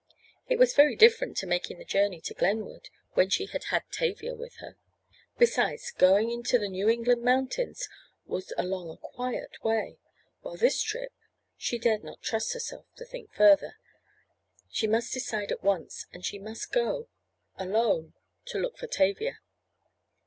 It was very different to making the journey to Glenwood when she had had Tavia with her. Besides, going into the New England mountains was along a quiet way, while this trip—she dared not trust herself to think further. She must decide at once, and she must go—alone to look for Tavia.